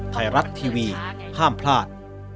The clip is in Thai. ไทยรัฐทีวีห้ามพลาด